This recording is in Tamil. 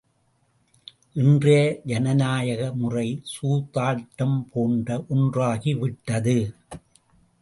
இன்றைய ஜனநாயக முறை, சூதாட்டம் போன்ற ஒன்றாகி விட்டது.